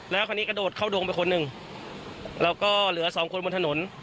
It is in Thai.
แล้วคราวนี้กระโดดเข้าดงไปคนหนึ่งแล้วก็เหลือสองคนบนถนน